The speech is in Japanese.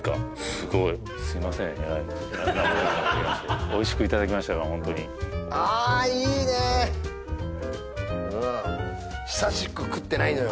すごいすいませんおいしくいただきましたからホントにああいいねうん久しく食ってないのよ